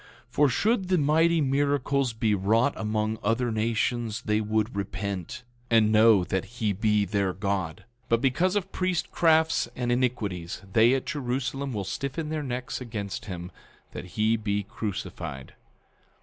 10:4 For should the mighty miracles be wrought among other nations they would repent, and know that he be their God. 10:5 But because of priestcrafts and iniquities, they at Jerusalem will stiffen their necks against him, that he be crucified.